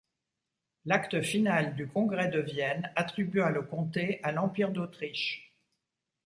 L'acte final du Congrès de Vienne attribua le comté à l'Empire d'Autriche.